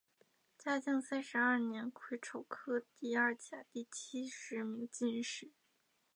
嘉靖三十二年癸丑科第二甲第七十名进士。